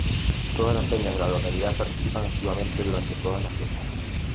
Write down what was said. Todas las peñas de la localidad participan activamente durante todas las fiestas.